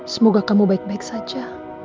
semoga kamu baik baik saja